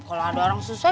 kalo ada orang susah